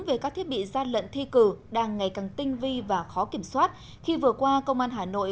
về các thiết bị gian lận thi cử đang ngày càng tinh vi và khó kiểm soát khi vừa qua công an hà nội